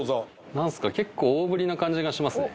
何すか結構大ぶりな感じがしますね